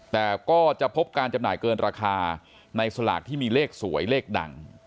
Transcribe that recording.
แต่ก็จะพบการจำหน่ายเกินราคาในสลากที่มีเลขสวยเลขดัง